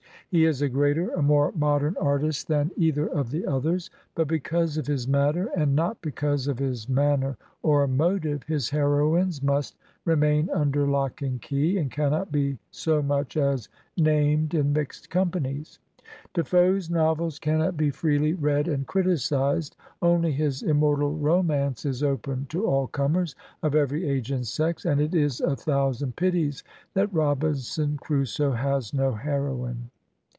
He is a greater, a more modem artist than 2 Digitized by VjOOQIC SOME NINETEENTH CENTURY HEROINES either of the others; but because of his matter, and not because of his manner or motive, his heroines must remain under lock and key, and cannot be so much as named in mixed companies. De Foe's novels cannot be freely read and criticised ; only his immortal romance is open to all comers, of every age and sex, and it is a thousand pities that " Robinson Crusoe " has no heroine.